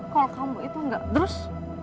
kalau kamu itu enggak terus